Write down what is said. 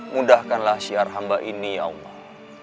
mudahkanlah syiar hamba ini ya allah